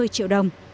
hai mươi triệu đồng